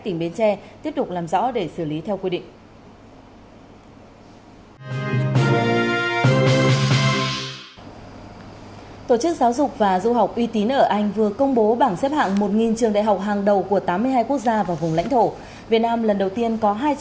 tỉnh bến tre tiếp tục làm rõ để xử lý theo quy định